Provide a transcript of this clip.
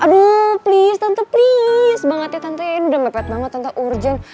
aduh please tante please banget ya tante ini udah mepet banget tante urjan